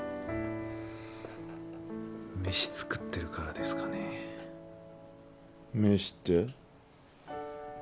飯作ってるからですかね飯って？